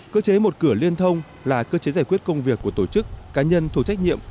cơ chế một cửa liên thông là cơ chế giải quyết công việc của tổ chức cá nhân thuộc trách nhiệm